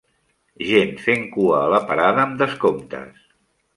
Gent fent cua a la parada amb descomptes.